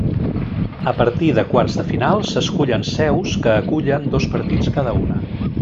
A partir de quarts de final s'escullen seus que acullen dos partits cada una.